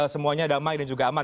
semuanya damai dan juga aman